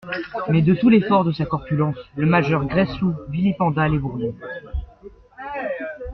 Mais, de tout l'effort de sa corpulence, le major Gresloup vilipenda les Bourbons.